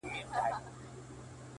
سیاه پوسي ده; ورته ولاړ یم;